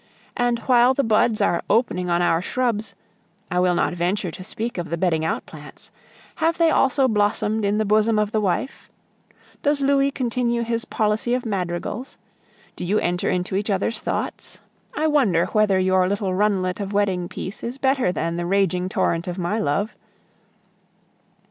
And while the buds are opening on our shrubs I will not venture to speak of the bedding out plants have they also blossomed in the bosom of the wife? Does Louis continue his policy of madrigals? Do you enter into each other's thoughts? I wonder whether your little runlet of wedding peace is better than the raging torrent of my love!